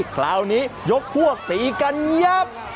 คราวนี้ยกพวกตีกันยับ